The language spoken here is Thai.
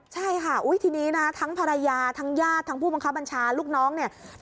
ใช่ค่ะทีนี้นะทั้งภรรยาทั้งญาติทั้งผู้บังคับบัญชาลูกน้องเนี่ย